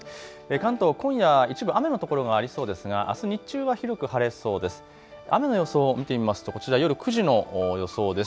関東、今夜一部雨の所がありそうですがあす日中は広く晴れそうです。